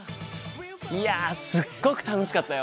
いやすっごく楽しかったよ！